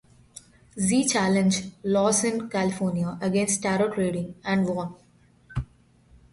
Z challenged laws in California against Tarot reading and won.